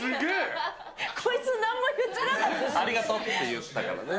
こいつ、なんも言ってなかっありがとうって言ったからね。